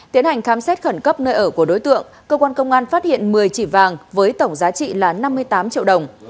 tiến hành khám xét khẩn cấp nơi ở của đối tượng cơ quan công an phát hiện một mươi chỉ vàng với tổng giá trị là năm mươi tám triệu đồng